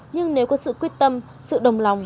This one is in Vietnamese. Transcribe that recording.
nhưng nếu có sự quyết tâm sự đồng lòng